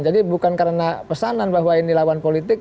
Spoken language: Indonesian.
jadi bukan karena pesanan bahwa ini lawan politik